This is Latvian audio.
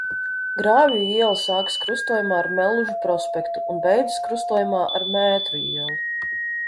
Grāvju iela sākas krustojumā ar Mellužu prospektu un beidzas krustojumā ar Mētru ielu.